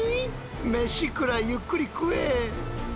メシくらいゆっくり食え！